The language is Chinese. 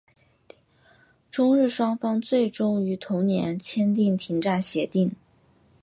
中日双方最终于同年签订停战协定。